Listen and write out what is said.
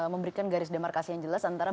memberikan garis demarkasi yang jelas antara